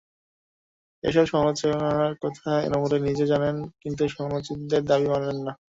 এসব সমালোচনার কথা এনামুল নিজেও জানেন, কিন্তু সমালোচকদের দাবি তিনি মানেন না।